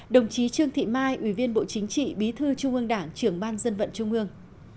đồng chí trương thị mai ủy viên bộ chính trị bí thư trung ương đảng trưởng ban dân vận trung ương